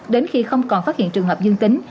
đến khi không còn phát hiện trường hợp dương tính